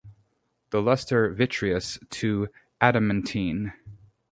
The luster vitreous to adamantine.